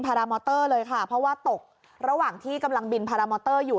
รามอเตอร์เลยค่ะเพราะว่าตกระหว่างที่กำลังบินพารามอเตอร์อยู่